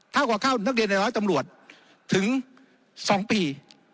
เท่ากับเข้านักเรียนในร้อยตำรวจถึง๒ปี